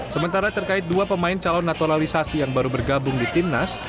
sementara terkait dua pemain calon naturalisasi yang baru bergabung di timnas